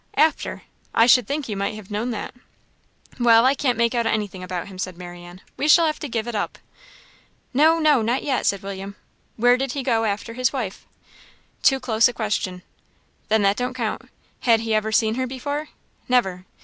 "After. I should think you might have known that." "Well, I can't make out anything about him," said Marianne. "We shall have to give it up." "No, no not yet," said William. "Where did he go after his wife?" "Too close a question." "Then that don't count. Had he ever seen her before?" "Never."